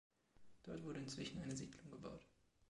Dort wurde inzwischen eine Siedlung gebaut.